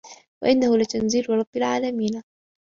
وَإِنَّهُ لَتَنزيلُ رَبِّ العالَمينَ